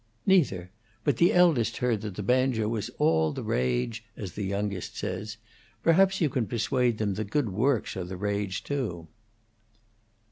"Neither. But the eldest heard that the banjo was 'all the rage,' as the youngest says. Perhaps you can persuade them that good works are the rage, too."